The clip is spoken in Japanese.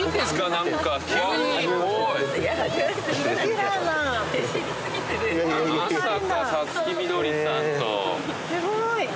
すごい。